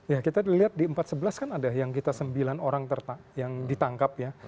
ya kita lihat di empat sebelas kan ada yang kita sembilan orang yang ditangkap ya